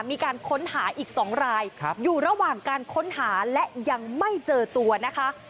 มีการค้นหาอีก๒รายอยู่ระหว่างการค้นหาและยังไม่เจอตัวนะคะ